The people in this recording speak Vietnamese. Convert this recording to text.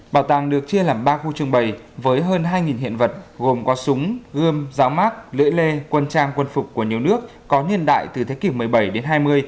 bảo tàng được chia làm ba khu trưng bày với hơn hai hiện vật gồm có súng gương giáo mát lưỡi lê quân trang quân phục của nhiều nước có niên đại từ thế kỷ một mươi bảy đến hai mươi